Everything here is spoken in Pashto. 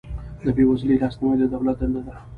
د بې وزلو لاسنیوی د دولت دنده ده